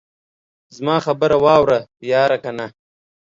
زما خبره واوره ياره کنه.